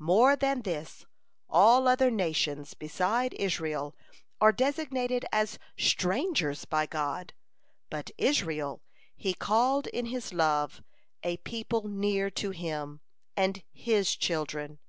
More than this, all other nations beside Israel are designated as 'strangers' by God, but Israel He called in His love 'a people near to Him,' and His 'children.'